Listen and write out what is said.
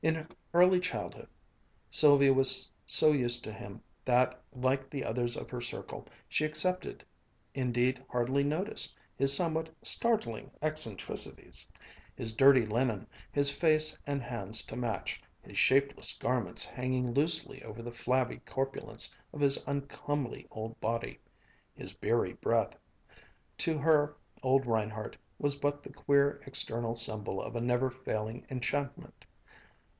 In early childhood Sylvia was so used to him that, like the others of her circle, she accepted, indeed hardly noticed, his somewhat startling eccentricities, his dirty linen, his face and hands to match, his shapeless garments hanging loosely over the flabby corpulence of his uncomely old body, his beery breath. To her, old Reinhardt was but the queer external symbol of a never failing enchantment.